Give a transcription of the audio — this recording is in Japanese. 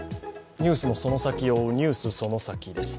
ニュースのその先を追う「ＮＥＷＳそのサキ！」です。